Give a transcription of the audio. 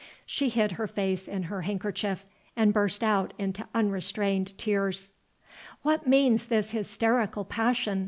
She hid her face in her handkerchief, and burst out into unrestrained tears. "What means this hysterical passion?"